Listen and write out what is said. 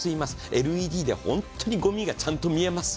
ＬＥＤで本当にごみがちゃんと見えます。